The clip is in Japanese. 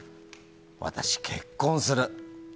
私、結婚する。